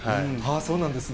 そうなんですね。